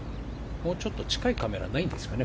もうちょっと近いカメラないんですかね。